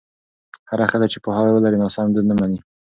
هره ښځه چې پوهاوی ولري، ناسم دود نه مني.